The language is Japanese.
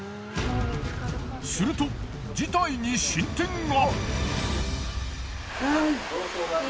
すると事態に進展が！